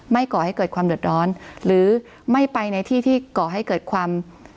ก่อให้เกิดความเดือดร้อนหรือไม่ไปในที่ที่ก่อให้เกิดความ